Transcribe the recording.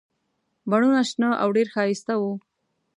بڼونه شنه او ډېر ښایسته وو.